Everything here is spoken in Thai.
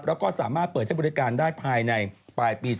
แล้วก็สามารถเปิดให้บริการได้ภายในปลายปี๒๕